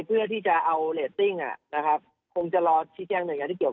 เพื่อที่จะเอาเรตติ้งนะครับคงจะรอชี้แจ้งหน่วยงานที่เกี่ยว